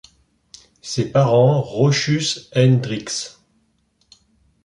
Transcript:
Ses parents Rochus Hendricksz.